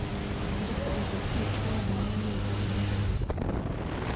ariko aza kwicwa nyuma y’amezi atandatu gusa